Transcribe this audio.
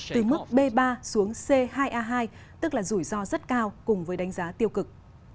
từ mức b ba xuống c hai a hai tức là rủi ro rất cao cùng với đánh giá tiêu cực